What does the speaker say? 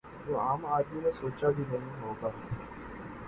جو عام آدمی نے سوچا بھی نہیں ہو گا